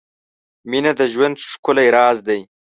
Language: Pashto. • مینه د ژوند ښکلی راز دی.